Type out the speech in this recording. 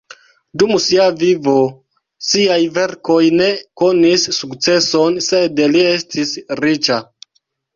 Dum sia vivo siaj verkoj ne konis sukceson sed li estis riĉa.